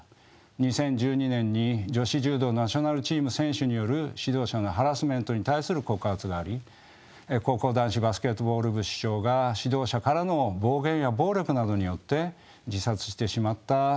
２０１２年に女子柔道ナショナルチーム選手による指導者のハラスメントに対する告発があり高校男子バスケットボール部主将が指導者からの暴言や暴力などによって自殺してしまった問題が生起しました。